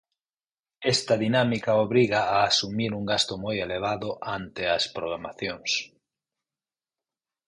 Esta dinámica obriga a asumir un gasto moi elevado ante as programacións.